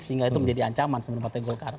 sehingga itu menjadi ancaman sebelum partai golkar